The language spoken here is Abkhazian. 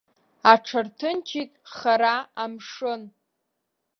Аҽарҭынчит хара амшын.